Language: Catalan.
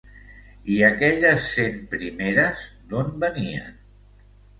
I aquelles cent primeres, d'on venien?